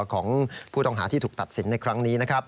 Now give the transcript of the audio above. ของผู้ต้องหาที่ถูกตัดสินในครั้งนี้นะครับ